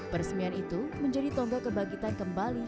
peresmian itu menjadi tonggak kebangkitan kembali